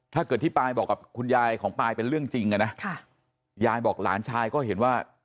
ถ้าเกิดที่ปายบอกกับคุณยายของปายเป็นเรื่องจริงอ่ะนะยายบอกหลานชายก็เห็นว่า